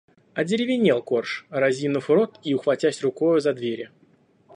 Одеревенел Корж, разинув рот и ухватясь рукою за двери.